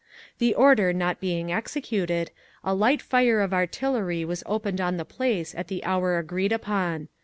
"The order not being executed, a light fire of artillery was opened on the place at the hour agreed upon.